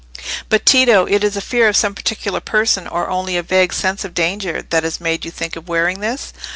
"But, Tito, is it a fear of some particular person, or only a vague sense of danger, that has made you think of wearing this?"